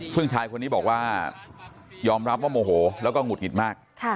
ซึ่งชายคนนี้บอกว่ายอมรับว่าโมโหแล้วก็หงุดหงิดมาก